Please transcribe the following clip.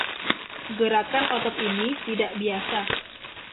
Gerakan otot ini tidak biasa.